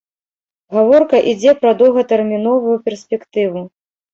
Гаворка ідзе пра доўгатэрміновую перспектыву.